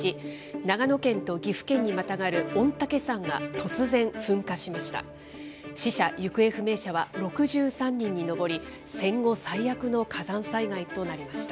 長野県と岐阜県にまたがる御嶽山が突然噴火しました。